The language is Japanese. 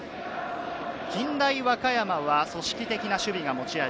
近大和歌山は組織的な守備が持ち味。